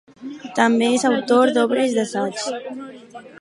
També és autor d'obres d'assaig.